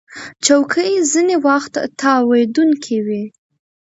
چوکۍ ځینې وخت تاوېدونکې وي.